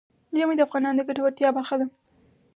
ژمی د افغانانو د ګټورتیا برخه ده.